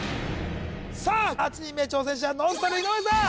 さあ８人目挑戦者ＮＯＮＳＴＹＬＥ井上さん